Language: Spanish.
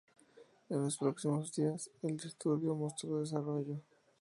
En los próximos días, el disturbio mostró desarrollo.